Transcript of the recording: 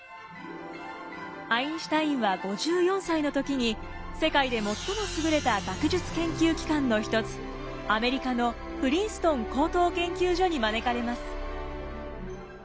アインシュタインは５４歳の時に世界で最も優れた学術研究機関の一つアメリカのプリンストン高等研究所に招かれます。